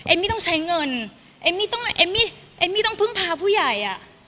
เอ็มมี่ต้องใช้เงินเอ็มมี่ต้องพึ่งพาผู้ใหญ่